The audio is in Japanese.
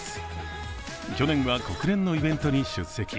去年は国連のイベントに出席。